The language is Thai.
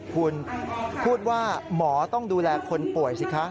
คุณพูดว่าหมอต้องดูแลคนป่วยสิคะ